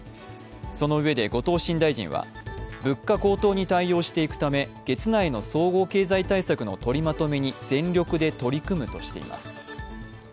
そのうえで後藤新大臣は物価高騰に対応していくため月内の総合経済対策のとりまとめに全力で取り組むとしています。